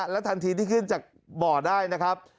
และทันทีที่ขึ้นจากบ่อได้นะครับ